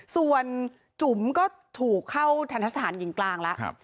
ส่วนจุ๋มก็ถูกเข้าธรรมศาสตร์หญิงกลางแล้ว